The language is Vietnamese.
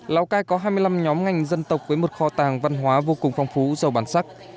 lào cai có hai mươi năm nhóm ngành dân tộc với một kho tàng văn hóa vô cùng phong phú giàu bản sắc